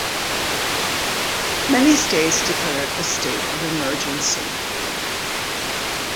Many states declared a state of emergency.